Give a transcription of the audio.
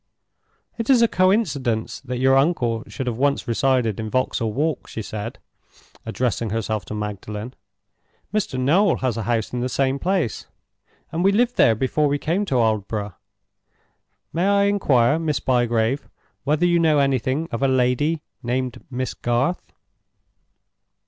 "It is a coincidence that your uncle should have once resided in Vauxhall Walk," she said, addressing herself to Magdalen. "Mr. Noel has a house in the same place, and we lived there before we came to Aldborough. May I inquire, Miss Bygrave, whether you know anything of a lady named Miss Garth?"